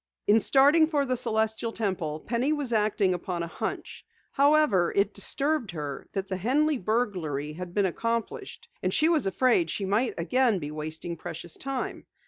In starting for the Celestial Temple Penny was acting upon a "hunch." However, it disturbed her that the Henley burglary had been accomplished, and she was afraid she might again be wasting precious time.